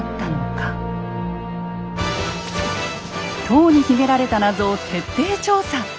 塔に秘められた謎を徹底調査。